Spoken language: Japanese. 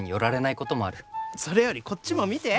それよりこっちも見て！